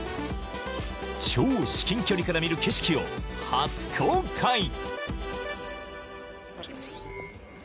超至近距離から見る景色を初公開。